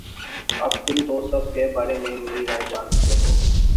اب تم تو سب کے بارے میں میری رائے جان چکے ہو